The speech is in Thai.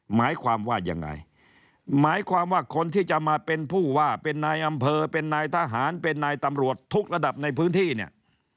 หมายความว่ายังไงหมายความว่าคนที่จะมาเป็นผู้ว่าเป็นนายอำเภอเป็นนายทหารเป็นนายตำรวจทุกระดับในพื้นที่เนี่ย